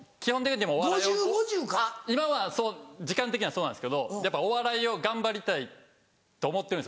今は時間的にはそうなんですけどやっぱお笑いを頑張りたいと思ってるんですよ。